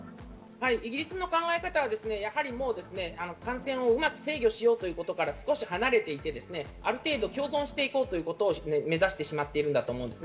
イギリスの考え方は感染をうまく制御しようということから少し離れていて、ある程度、共存して行こうということを目指してしまっているんだと思います。